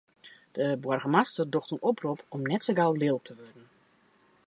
De boargemaster docht in oprop om net sa gau lulk te wurden.